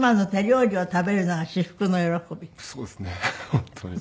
本当に。